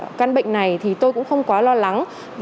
và mắc phải căn bệnh này thì tôi cũng không quá lo lắng